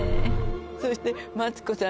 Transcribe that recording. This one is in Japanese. そしてマツコさん